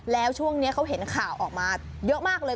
แล้วช่วงนี้เขาเห็นข่าวออกมาเยอะมากเลย